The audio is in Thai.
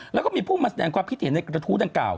แล้วก็มีผู้มาแสดงความคิดเห็นในกระทู้ดังกล่า